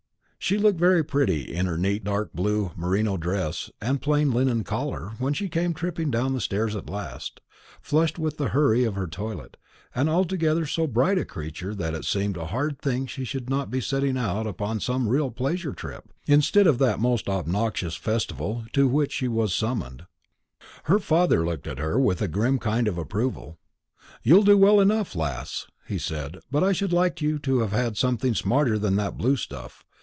She looked very pretty in her neat dark blue merino dress and plain linen collar, when she came tripping downstairs at last, flushed with the hurry of her toilet, and altogether so bright a creature that it seemed a hard thing she should not be setting out upon some real pleasure trip, instead of that most obnoxious festival to which she was summoned. Her father looked at her with a grim kind of approval. "You'll do well enough, lass," he said; "but I should like you to have had something smarter than that blue stuff.